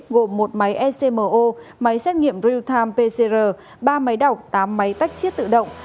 gồm một máy ecmo máy xét nghiệm real time pcr ba máy đọc tám máy tách chiết tự động